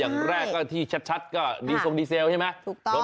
อย่างแรกก็ที่ชัดชัดก็๔๖๖ใช่ไหมถูกต้อง